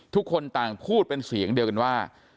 ทุกคนต่างพูดเป็นเสียงเดียวกันว่า